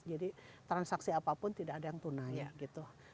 jadi transaksi apapun tidak ada yang tunai